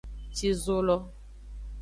Ci zo lo.